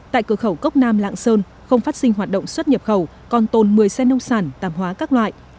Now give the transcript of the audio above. tại cửa khẩu cốc nam lạng sơn không phát sinh hoạt động xuất nhập khẩu còn tồn một mươi xe nông sản tạm hóa các loại